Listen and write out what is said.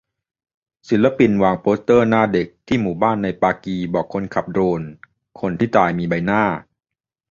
ศิลปินวางโปสเตอร์หน้าเด็กที่หมู่บ้านในปากีบอกคนขับโดรน : คนที่ตายมีใบหน้า